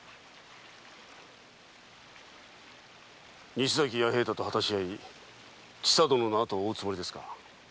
西崎弥平太と果たし合い千佐殿のあとを追うつもりですか？